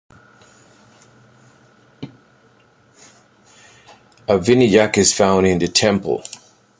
A Vinayaka is found in the temple.